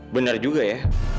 benar juga ya